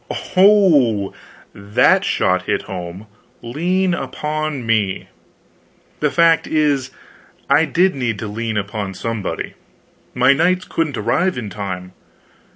Oho! that shot hit home! Lean upon me." The fact is I did need to lean upon somebody. My knights couldn't arrive in time.